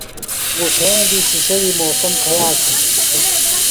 بُٹھیم دی شِشیویۡ موسم کھیاک ہِنیۡ؟